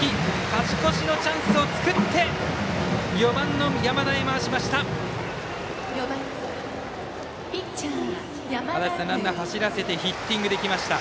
勝ち越しのチャンスを作って４番の山田へ回しました。